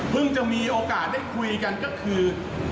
จะมีโอกาสได้คุยกันก็คือ